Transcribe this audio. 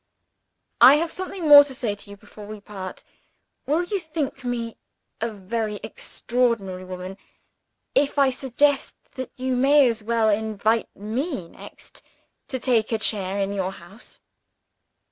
I have something more to say to you before we part. Will you think me a very extraordinary woman, if I suggest that you may as well invite me next, to take a chair in your house?"